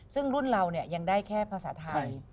ซึ่งรุ่นเรายังได้แค่ภาษาไทย